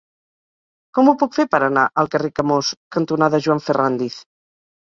Com ho puc fer per anar al carrer Camós cantonada Joan Ferrándiz?